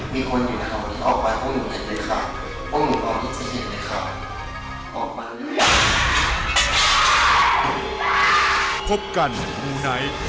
มีคนอยู่นะครับวันนี้ออกไปพวกหนุ่มเย็นเลยค่ะ